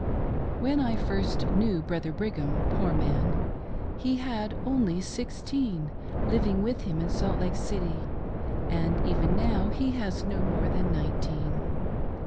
When I first knew Brother Brigham, poor man, he had only sixteen living with him in Salt Lake City; and even now he has no more than nineteen